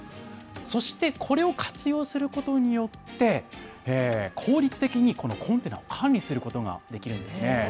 そしてこれを活用することによって、効率的にこのコンテナを管理することができるんですね。